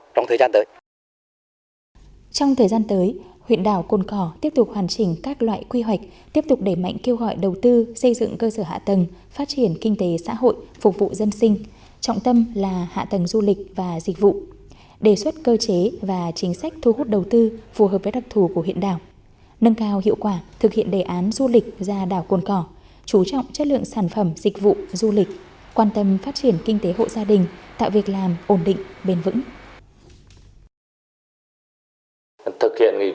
trong thời gian tới huyện đảo côn cỏ tiếp tục hoàn chỉnh các loại quy hoạch tiếp tục đẩy mạnh kêu gọi đầu tư xây dựng cơ sở hạ tầng phát triển kinh tế xã hội phục vụ dân sinh trọng tâm là hạ tầng du lịch và dịch vụ đề xuất cơ chế và chính sách thu hút đầu tư phù hợp với đặc thù của huyện đảo nâng cao hiệu quả thực hiện đề án du lịch ra đảo côn cỏ chú trọng chất lượng sản phẩm dịch vụ du lịch quan tâm phát triển kinh tế hộ gia đình tạo việc làm ổn định bền vững